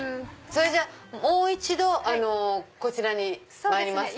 それじゃあもう一度こちらにまいります。